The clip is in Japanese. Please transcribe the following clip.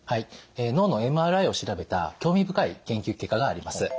脳のＭＲＩを調べた興味深い研究結果があります。